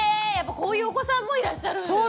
こういうお子さんもいらっしゃるんですね。